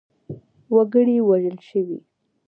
وګړي وژل شوي.